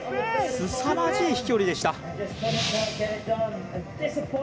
すさまじい飛距離でした。